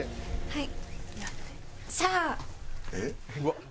はい。